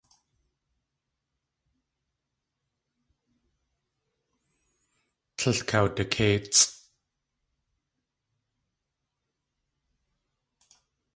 Tlél kawdakéitsʼ.